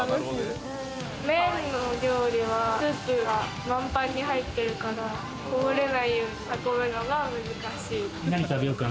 メーンの料理はスープが満杯に入ってるからこぼれないように運ぶのが難しい。